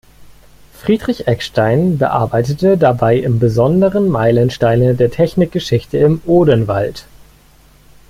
Friedrich Eckstein bearbeitete dabei im Besonderen Meilensteine der Technikgeschichte im Odenwald.